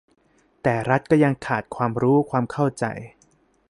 แต่รัฐก็ยังขาดความรู้ความเข้าใจ